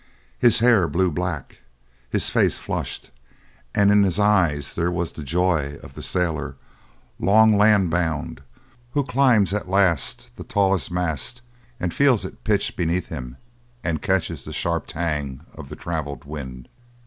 His hair blew black; his face flushed; and in his eyes there was the joy of the sailor, long land bound, who climbs at last the tallest mast and feels it pitch beneath him and catches the sharp tang of the travelled wind.